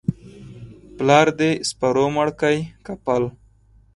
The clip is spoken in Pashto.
پلار دي سپرو مړ کى که پل؟